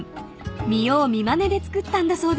［見よう見まねで作ったんだそうです］